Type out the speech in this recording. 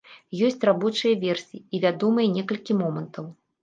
Ёсць рабочыя версіі і вядомыя некалькі момантаў.